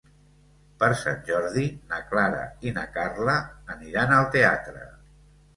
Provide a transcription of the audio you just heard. Per Sant Jordi na Clara i na Carla aniran al teatre.